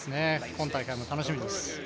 今大会も楽しみです。